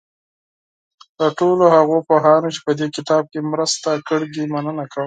له ټولو هغو پوهانو چې په دې کتاب کې مرسته کړې مننه کوم.